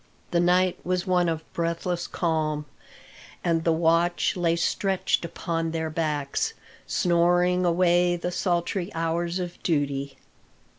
The night was one of breathless calm, and the watch lay stretched upon their backs, snoring away the sultry hours of duty.